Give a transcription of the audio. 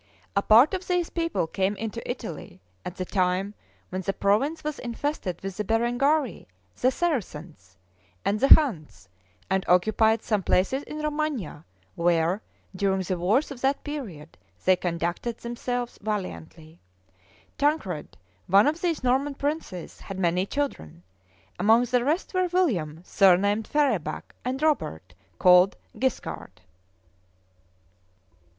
A part of these people came into Italy at the time when the province was infested with the Berengarii, the Saracans, and the Huns, and occupied some places in Romagna, where, during the wars of that period, they conducted themselves valiantly. Tancred, one of these Norman princes, had many children; among the rest were William, surnamed Ferabac, and Robert, called Guiscard.